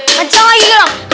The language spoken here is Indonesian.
kenceng lagi gelap